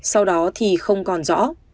sau đó thì không còn rõ